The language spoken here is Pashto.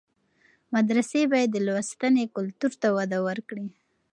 مدرسې باید د لوستنې کلتور ته وده ورکړي.